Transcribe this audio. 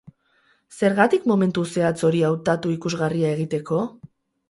Zergatik momentu zehatz hori hautatu ikusgarria egiteko?